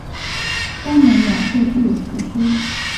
山门两侧筑有石狮。